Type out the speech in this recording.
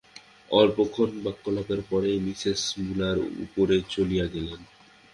অল্পক্ষণ বাক্যালাপের পরেই Miss Muller উপরে চলিয়া গেলেন।